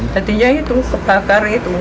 tadinya itu terbakar itu